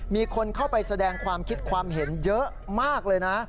มีคนเข้าไปแสดงความคิดความเห็นเยอะมากเลยนะ